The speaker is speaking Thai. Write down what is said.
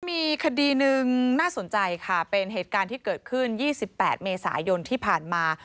มีคดีหนึ่งน่าสนใจค่ะเป็นเหตุการณ์ที่เกิดขึ้น๒๘เมษายนที่ผ่านมา